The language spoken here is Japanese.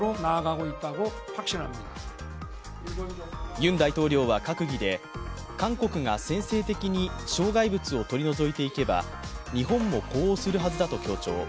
ユン大統領は閣議で韓国が先制的に障害物を取り除いていけば、日本も呼応するはずだと強調。